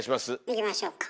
いきましょうか。